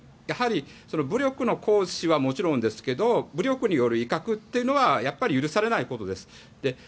やはり武力行使はもちろんですが武力による威嚇というのはやっぱり許されないことです。